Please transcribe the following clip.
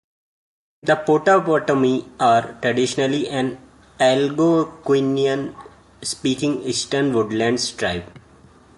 The Potawatomi are traditionally an Algonquian-speaking Eastern Woodlands tribe.